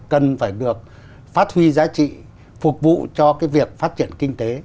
cần phải được phát huy giá trị phục vụ cho cái việc phát triển kinh tế